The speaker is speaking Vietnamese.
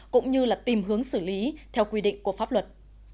cũng như tìm hướng xử lý theo quy định của pháp luật